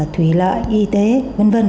thủy lợi y tế v v